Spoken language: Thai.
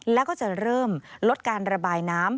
แล้วก็จะเริ่มลดการระบายน้ำ